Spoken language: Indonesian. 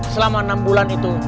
selama enam bulan itu